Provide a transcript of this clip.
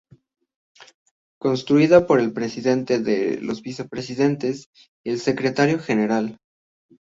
Constituida por el Presidente, los Vicepresidentes, y el Secretario General.